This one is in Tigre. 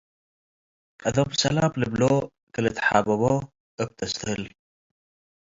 ቀደም ሰላም ልብሎ - ከልትሓበቦ እብ ተስትህል